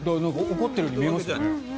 怒ってるように見えますよね。